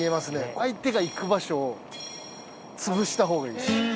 相手が行く場所をつぶしたほうがいいです。